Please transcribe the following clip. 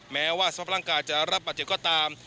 แม้ว่าสภาพร่างกายจะรับบาดเจ็บก็ตาม